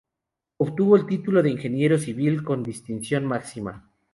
Obtuvo el título de Ingeniero Civil con distinción máxima.